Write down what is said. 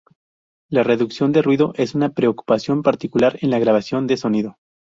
La reducción de ruido es una preocupación particular en la grabación de sonido.